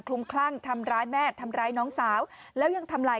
คลุมคลั่งทำร้ายแม่ทำร้ายน้องสาวแล้วยังทำลาย